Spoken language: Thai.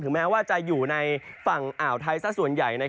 แม้ว่าจะอยู่ในฝั่งอ่าวไทยซะส่วนใหญ่